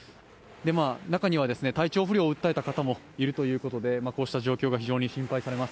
中には体調不良を訴えた方もいるということでこうした状況が非常に心配されます。